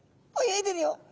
泳いでるよ。